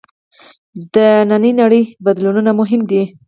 د نننۍ نړۍ بدلونونه مهم دي.